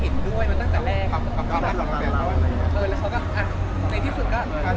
พี่พอร์ตทานสาวใหม่พี่พอร์ตทานสาวใหม่